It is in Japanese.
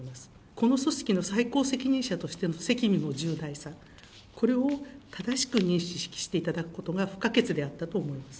この組織の最高責任者としての責務の重大さ、これを正しく認識していただくことが不可欠であったと思います。